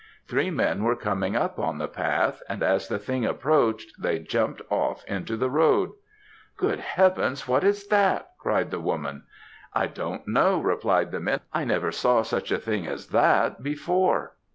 Three men were coming up on the path; and as the thing approached, they jumped off into the road. "'Good heavens, what is that!' cried the women. "'I don't know,' replied the men; 'I never saw such a thing as that before.'